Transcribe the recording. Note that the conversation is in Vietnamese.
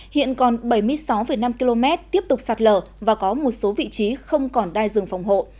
hiện còn bảy mươi sáu năm km tiếp tục sạt lở và có một số vị trí không còn đai rừng phòng hộ